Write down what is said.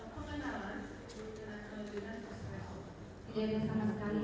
saya tidak memahami